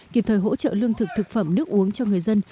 kịp thời hỗ trợ lương thực thực phẩm nước uống cho người dân